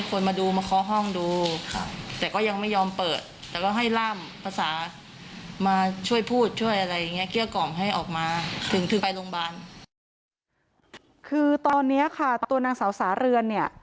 คือตอนนี้ค่ะตัวนางสาวสาเรือนเนี่ย